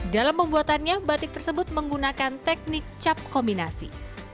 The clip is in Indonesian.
dalam pembuatannya batik tersebut menggunakan teknik cap kombinasi